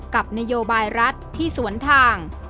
กับนโยบายรัฐที่สวนทาง